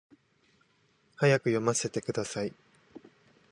早く読ませてください